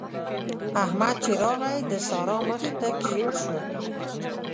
احمد چې راغی؛ د سارا مخ تک ژړ شو.